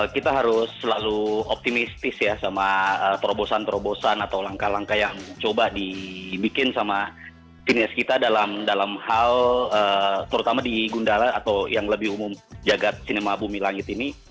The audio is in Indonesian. kita harus selalu optimistis ya sama terobosan terobosan atau langkah langkah yang coba dibikin sama sinias kita dalam hal terutama di gundala atau yang lebih umum jagad cinema bumi langit ini